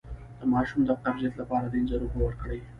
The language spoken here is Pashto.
د ماشوم د قبضیت لپاره د انځر اوبه ورکړئ